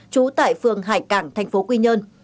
trú tại phường hải cảng tp quy nhơn